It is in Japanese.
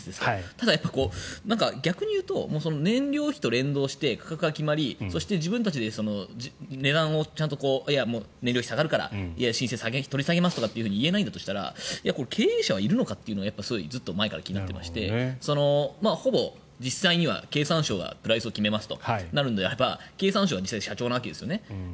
ただ、逆に言うと燃料費と連動して価格が決まり自分たちで値段を燃料費が下がるから申請取り下げますと言えないんだとしたら経営者はいるのかとずっと前から気になってましてほぼ実際には経産省はプライスを決めるとなると経産省の社長なわけですよね。